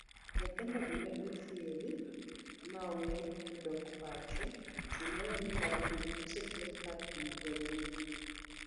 Nyithindogo ne othiedh maowe odok pacho sama ringre jagono oseter ekar kano jogo mothoo.